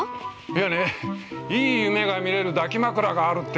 いやねいい夢が見れる抱き枕があるっていうんでね